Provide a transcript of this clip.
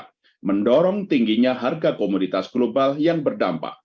dan mendorong tingginya harga komunitas global yang berdampak